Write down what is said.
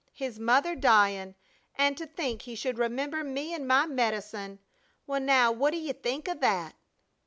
"His mother dyin'! An' to think he should remember me an' my medicine! Well, now, what d' ye think o' that?"